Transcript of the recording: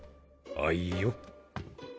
あいよ。